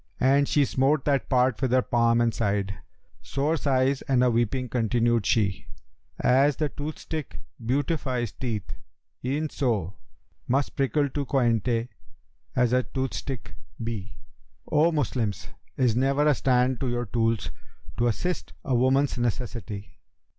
And she smote that part with her palm and sighed * Sore sighs and a weeping continued she, 'As the toothstick beautifies teeth e'en so * Must prickle to coynte as a toothstick be. O Moslems, is never a stand to your tools, * To assist a woman's necessity?'